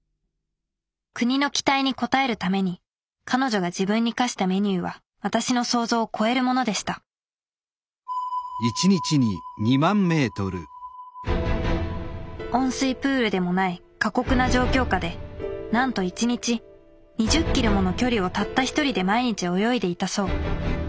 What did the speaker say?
国の期待に応えるために彼女が自分に課したメニューは私の想像を超えるものでした温水プールでもない過酷な状況下でなんと１日２０ｋｍもの距離をたった一人で毎日泳いでいたそう。